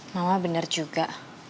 mama benar juga